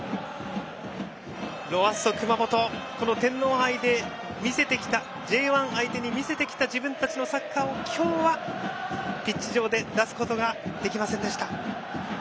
ロアッソ熊本、この天皇杯でＪ１相手に見せてきた自分たちのサッカーを今日はピッチ上で出すことができませんでした。